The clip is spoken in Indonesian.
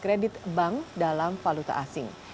kredit bank dalam valuta asing